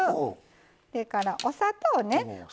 それから、お砂糖ね。